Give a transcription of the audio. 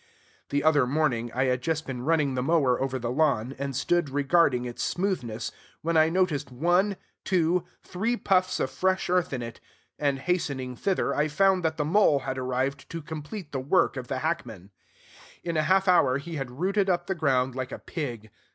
The other morning, I had just been running the mower over the lawn, and stood regarding its smoothness, when I noticed one, two, three puffs of fresh earth in it; and, hastening thither, I found that the mole had arrived to complete the work of the hackmen. In a half hour he had rooted up the ground like a pig.